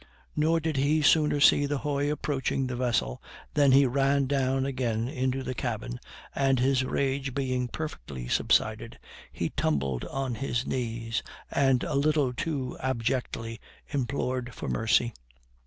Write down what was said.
Nor did he sooner see the hoy approaching the vessel than he ran down again into the cabin, and, his rage being perfectly subsided, he tumbled on his knees, and a little too abjectly implored for mercy.